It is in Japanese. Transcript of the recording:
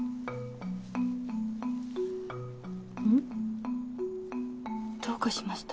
ん？どうかしました？